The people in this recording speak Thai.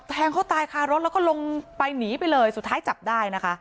แทงเขาตายคารถแล้วก็ลงไปหนีไปเลยสุดท้ายจับได้นะคะ